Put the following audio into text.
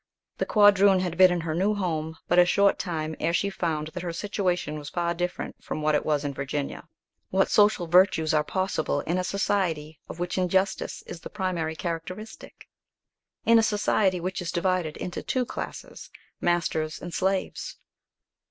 The quadroon had been in her new home but a short time ere she found that her situation was far different from what it was in Virginia. What social virtues are possible in a society of which injustice is the primary characteristic? in a society which is divided into two classes, masters and slaves?